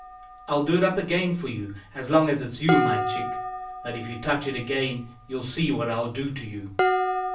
"I'll do it up again for you, as long as it's you, my chick, but if you touch it again, you'll see what I'll do to you!"